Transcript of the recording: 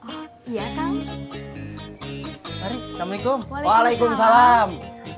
nih assalamualaikum waalaikumsalam